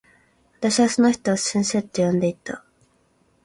私はその人を先生と呼んでいた。